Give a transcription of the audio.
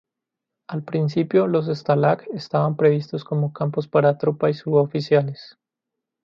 Al principio los Stalag estaban previstos como campos para tropa y suboficiales.